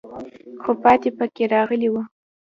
خو پاتې پکې راغلی وو.